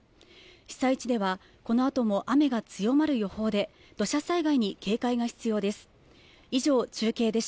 被災地ではこのあとも雨が強まる予報で、土砂災害に警戒が必要です。